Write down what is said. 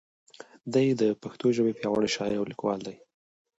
دی د پښتو ژبې پیاوړی شاعر او لیکوال دی.